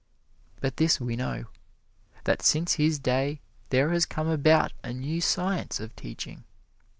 But this we know, that since his day there has come about a new science of teaching.